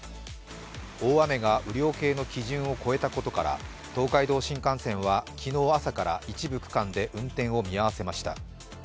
大雨が雨量計の基準を超えたことから東海道新幹線は昨日朝から一部区間で運転を見合わせました。